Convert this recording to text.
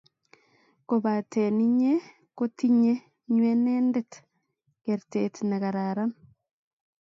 kopaten inye kotinye nywenedet kertet ne kararan